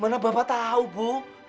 mana bapak tahu bu